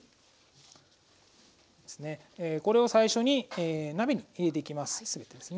これを最初に鍋に入れていきます